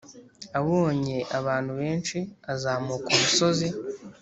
Abonye abantu benshi azamuka umusozi